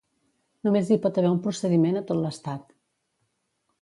Només hi pot haver un procediment a tot l'Estat.